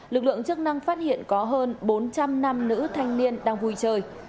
lực lượng chức năng phát hiện có hơn bốn trăm linh nam nữ thanh niên đang vui chơi